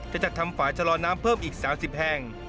จะจัดทำฝ่ายชะลอน้ำเพิ่มอีก๓๐แห่ง